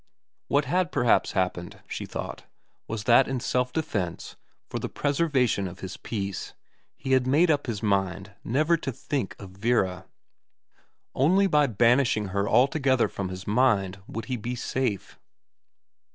What had perhaps happened, she thought, was that in self defence, for the preservation of his peace, he had made up his mind never to think of Vera. Only by banishing her altogether from his mind would he be safe.